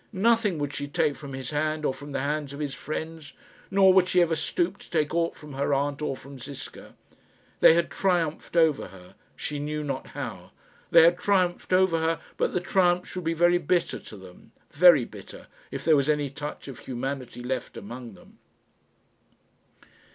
Nothing would she take from his hand, or from the hands of his friends! Nor would she ever stoop to take aught from her aunt, or from Ziska. They had triumphed over her. She knew not how. They had triumphed over her, but the triumph should be very bitter to them very bitter, if there was any touch of humanity left among them.